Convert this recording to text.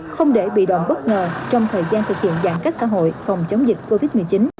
không để bị động bất ngờ trong thời gian thực hiện giãn cách xã hội phòng chống dịch covid một mươi chín